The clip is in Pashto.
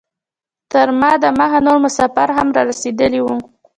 تر ما دمخه نور مسافر هم رسیدلي وو.